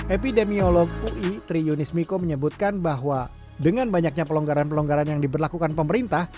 epidemiolog ui tri yunis miko menyebutkan bahwa dengan banyaknya pelonggaran pelonggaran yang diberlakukan pemerintah